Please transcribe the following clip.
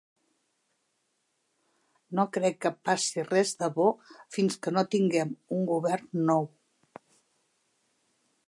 No crec que passi res de bo fins que no tinguem un govern nou.